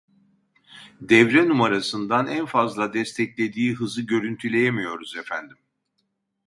Devre numarasından en fazla desteklediği hızı görüntüleyemiyoruz efendim